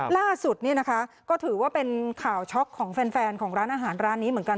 ล่าสุดเนี่ยนะคะก็ถือว่าเป็นข่าวช็อกของแฟนของร้านอาหารร้านนี้เหมือนกัน